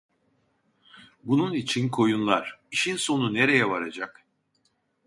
Bunun için koyunlar, işin sonu neye varacak?